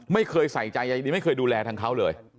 ไม่เคยใส่ใจใยดีไม่เคยดูแลทางเขาเลย